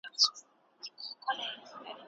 ایا ستا په موبایل کي د ژباړې کیبورډ انسټال دی؟